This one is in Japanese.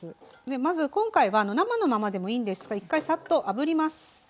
まず今回は生のままでもいいんですが１回サッとあぶります。